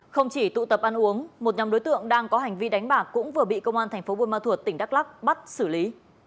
không chỉ tụ tập ăn uống một nhóm đối tượng đang có hành vi đánh bạc cũng vừa bị công an thành phố buôn ma thuột tỉnh đắk lắc bắt xử lý